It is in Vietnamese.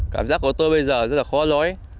cảm giác của tôi bây giờ rất là khó rồi